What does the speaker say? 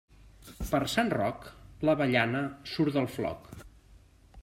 Per Sant Roc, l'avellana surt del floc.